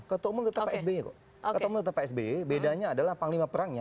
ketemu tetap psb kok ketemu tetap psb bedanya adalah panglima perangnya